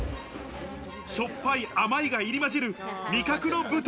しょっぱい、甘いが入りまじ